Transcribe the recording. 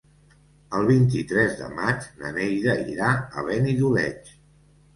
El vint-i-tres de maig na Neida irà a Benidoleig.